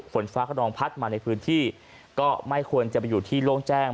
ฝนฟ้าขนองพัดมาในพื้นที่ก็ไม่ควรจะไปอยู่ที่โล่งแจ้ง